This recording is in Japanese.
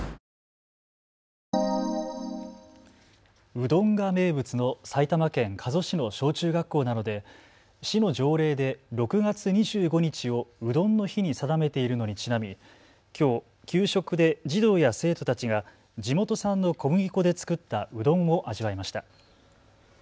うどんが名物の埼玉県加須市の小中学校などで市の条例で６月２５日をうどんの日に定めているのにちなみ、きょう給食で児童や生徒たちが地元産の小麦粉で作ったうどんを味わいました。